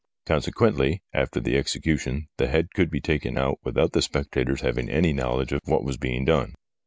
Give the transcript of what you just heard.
Consequently, after the execution the head could be taken out without the spectators having any knowledge of what was being done.